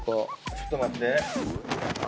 ちょっと待って。